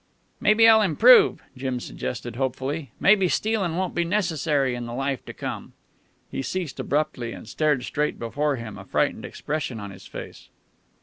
"Maybe I'll improve," Jim suggested hopefully. "Maybe stealin' won't be necessary in the life to come." He ceased abruptly, and stared straight before him, a frightened expression on his face.